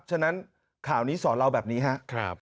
ฉะนั้นข่าวนี้สอนเราแบบนี้ครับ